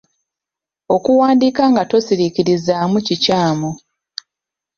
Okuwandiika nga tosiriikirizaamu kikyamu.